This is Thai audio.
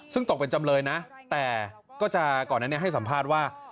ซึ่งตกเป็นจำเลยนะแต่ก็จะก่อนนั้นให้สัมภาษณ์ว่า